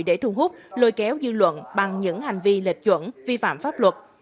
để thu hút lôi kéo dư luận bằng những hành vi lệch chuẩn vi phạm pháp luật